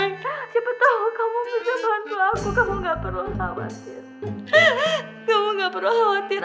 siapa tau kamu butuh bantu aku kamu gak perlu khawatir